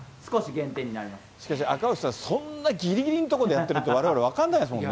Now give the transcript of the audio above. しかし赤星さん、そんなぎりぎりのところでやってるって、われわれ分かんないですもんね。